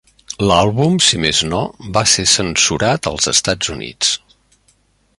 L'àlbum, si més no, va ser censurat als Estats Units.